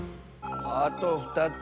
あと２つ。